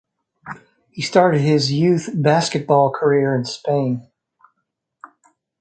He started his youth basketball career in Spain.